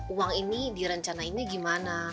uang ini direncanainnya gimana